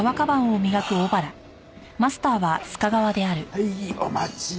はいお待ち。